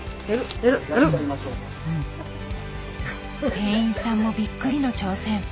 店員さんもびっくりの挑戦。